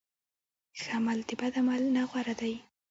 ښه عمل د بد عمل نه غوره دی.